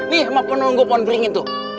nih mau penunggu ponbring itu